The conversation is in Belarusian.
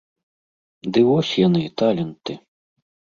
Ды вось яны, таленты!